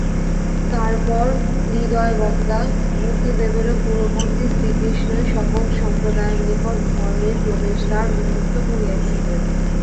তারপর হৃদয়বত্তা! বুদ্ধদেবেরও পূর্ববর্তী শ্রীকৃষ্ণই সকল সম্প্রদায়ের নিকট ধর্মের প্রবেশদ্বার উন্মুক্ত করিয়াছিলেন।